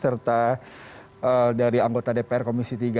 serta dari anggota dpr komisi tiga